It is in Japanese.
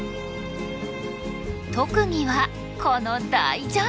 特技はこの大ジャンプ！